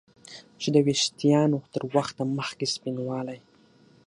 چې د ویښتانو تر وخته مخکې سپینوالی